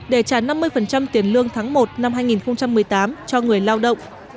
để trả năm mươi tiền lương tháng một năm hai nghìn một mươi tám cho người lao động